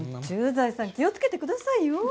駐在さん気を付けてくださいよ。